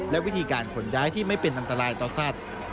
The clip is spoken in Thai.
และวิธีการขนย้ายที่ไม่เป็นอันตรายต่อสัตว์